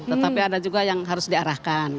tetapi ada juga yang harus diarahkan